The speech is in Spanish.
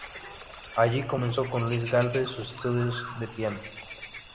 Allí comenzó con Luis Galve sus estudios de piano.